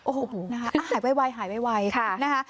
โอ้โฮหายไว้นะคะ